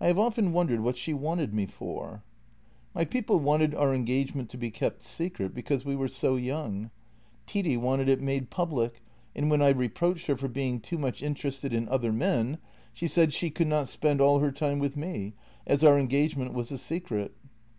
I have often wondered what she wanted me for. " My people wanted our engagement to be kept secret, be cause we were so young. Titti wanted it made public, and when I reproached her for being too much interested in other men, she said she could not spend all her time with me, as our engagement was a secret.